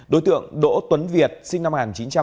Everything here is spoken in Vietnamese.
đối tượng đỗ tuấn việt sinh năm một nghìn chín trăm bảy mươi tám